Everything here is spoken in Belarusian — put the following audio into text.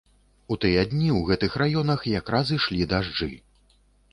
У тыя дні ў гэтых раёнах якраз ішлі дажджы.